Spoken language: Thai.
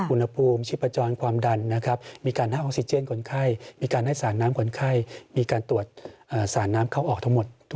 อุณหภูมิชีพจรความดันนะครับมีการให้ออกซิเจนคนไข้มีการให้สารน้ำคนไข้มีการตรวจสารน้ำเข้าออกทั้งหมด